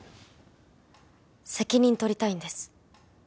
責任取りたいんです